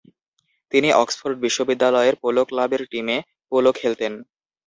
তিনি অক্সফোর্ড বিশ্ববিদ্যালয়ের পোলো ক্লাবের টিমে পোলো খেলতেন।